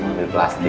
betul sekali pak